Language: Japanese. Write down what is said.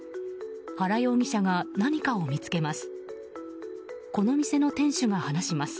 原容疑者が何かを見つけます。